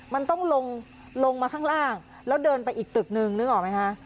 มันต้องลงลงมาข้างล่างแล้วเดินไปอีกตึกนึงนึกออกไหมคะ